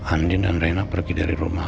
andin dan raina pergi dari rumah